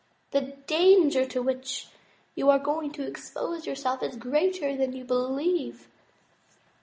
"The danger to which you are going to expose yourself is greater than you believe.